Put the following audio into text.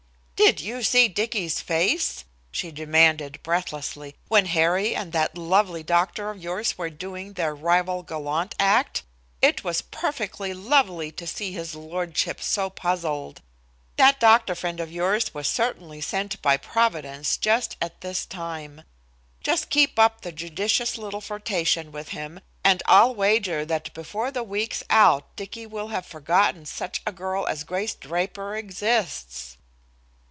"Did you see Dicky's face," she demanded breathlessly, "when Harry and that lovely doctor of yours were doing the rival gallant act? It was perfectly lovely to see his lordship so puzzled. That doctor friend of yours was certainly sent by Providence just at this time. Just keep up a judicious little flirtation with him and I'll wager that before the week's out Dicky will have forgotten such a girl as Grace Draper exists."